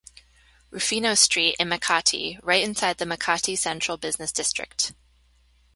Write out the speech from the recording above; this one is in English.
Rufino Street in Makati, right inside the Makati Central Business District.